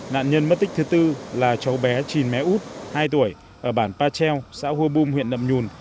nạn nhân mất tích thứ tư là cháu bé trìn mé út hai tuổi ở bản pa treo xã hô bùm huyện nậm nhùn